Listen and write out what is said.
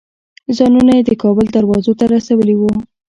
ځانونه یې د کابل دروازو ته رسولي وو.